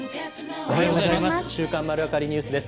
おはようございます。